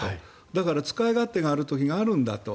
だから使い勝手がある時があるんだと。